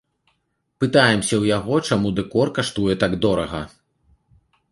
Пытаемся ў яго, чаму дэкор каштуе так дорага.